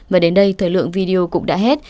và đến đây thời lượng video cũng đã hết